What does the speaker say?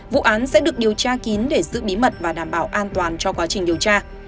vụ án sẽ được điều tra kín để giữ bí mật và đảm bảo an toàn cho quá trình điều tra